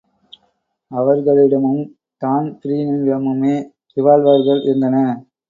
அவர்களிடமும் தான்பிரீனிடமுமே ரிவால்வர்கள் இருந்தன.